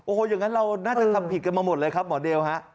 โอ้โหอย่างนั้นเราน่าจะทำผิดกันมาหมดเลยครับหมอเดลฮะ